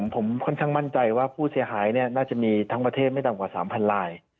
ผมค่อนข้างมั่นใจว่าผู้เสียหายน่าจะมีทั้งประเทศไม่ต่ำกว่า๓๐๐ลาย